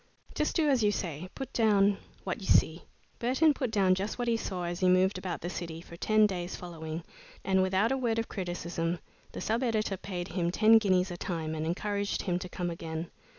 Just do as you say; put down what you see." Burton put down just what he saw as he moved about the city, for ten days following, and without a word of criticism the sub editor paid him ten guineas a time and encouraged him to come again.